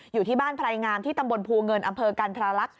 อยู่ที่บ้านไพรงามที่ตำบลภูเงินอำเภอกันทรลักษณ์